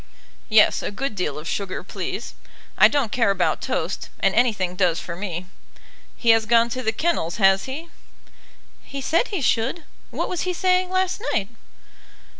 "Yes, a good deal of sugar, please. I don't care about toast, and anything does for me. He has gone to the kennels, has he?" "He said he should. What was he saying last night?"